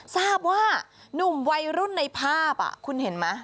ทราบว่านุ่มวัยรุ่นในภาพคุณเห็นไหม